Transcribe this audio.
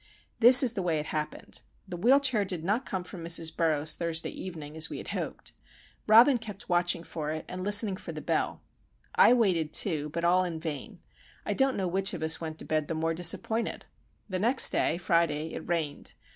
This is the way it happened. The wheel chair did not come from Mrs. Burroughs Thursday evening as we had hoped. Robin kept watching for it, and listening for the bell. I waited, too, but all in vain. I don't know which of us went to bed the more disappointed. The next day, Friday, it rained.